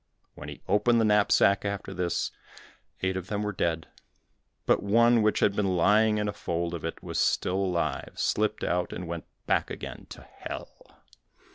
When he opened the knapsack after this, eight of them were dead, but one which had been lying in a fold of it, was still alive, slipped out, and went back again to hell.